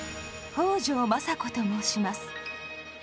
北条政子と申します。